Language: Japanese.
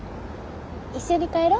一緒に帰ろう。